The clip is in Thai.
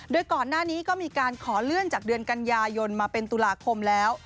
โดยก่อนหน้านี้ก็มีการขอเลื่อนจากเดือนกันยายนมาเป็นตุลาคมแล้ว